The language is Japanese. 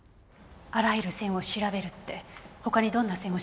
あらゆる線を調べるって他にどんな線を調べるの？